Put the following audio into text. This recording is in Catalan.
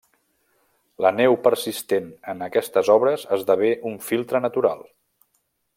La neu persistent en aquestes obres esdevé un filtre natural.